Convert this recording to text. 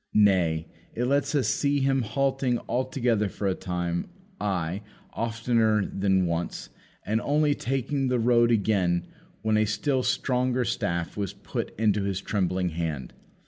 Nay, it lets us see Him halting altogether for a time; ay, oftener than once; and only taking the road again, when a still stronger staff was put into his trembling hand.